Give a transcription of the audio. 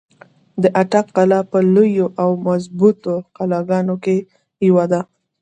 د اټک قلا په لويو او مضبوطو قلاګانو کښې يوه ده۔